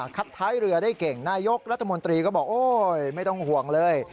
ท้ายเรือได้เก่งนายกรัฐมนตรีก็บอกโอ๊ยไม่ต้องห่วงเลย